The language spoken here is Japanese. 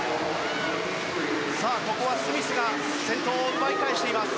ここはスミスが先頭を奪い返しています。